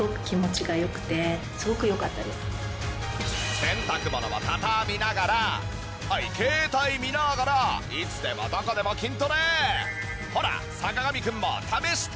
洗濯物をたたみながらはい携帯見ながらいつでもどこでも筋トレ！